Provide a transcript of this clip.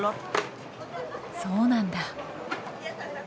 そうなんだ。